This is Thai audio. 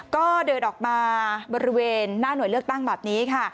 ก็เดินออกมาบริเวณหน้าหน่วยเลือกตั้งแบบนี้ค่ะ